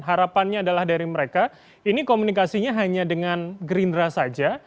harapannya adalah dari mereka ini komunikasinya hanya dengan gerindra saja